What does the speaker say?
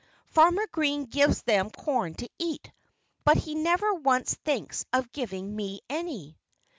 Farmer Green gives them corn to eat. But he never once thinks of giving me any."